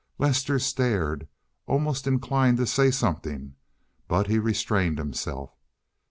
Lester stared, almost inclined to say something, but restrained himself.